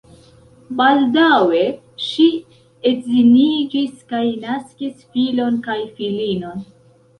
Baldaŭe ŝi edziniĝis kaj naskis filon kaj filinon.